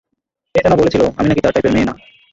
কে যেন বলেছিল, আমি নাকি তার টাইপের মেয়ে না!